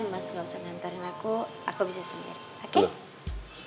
mas gak usah ngantarin aku aku bisa sendiri oke